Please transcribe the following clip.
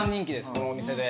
このお店で。